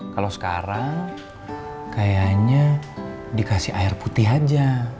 kalau sekarang kayaknya dikasih air putih aja